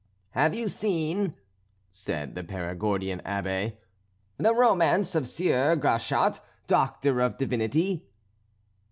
"Have you seen," said the Perigordian Abbé, "the romance of Sieur Gauchat, doctor of divinity?"